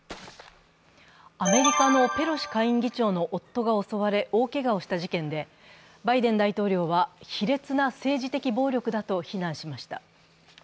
アメリカのペロシ下院議長の夫が襲われ、大けがをした事件で、バイデン大統領は卑劣な政治的暴力だと非難しました。